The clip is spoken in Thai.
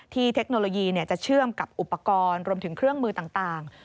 เทคโนโลยีจะเชื่อมกับอุปกรณ์รวมถึงเครื่องมือต่าง